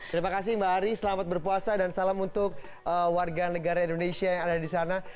terima kasih mbak ari selamat berpuasa dan salam untuk warga negara indonesia yang ada di sana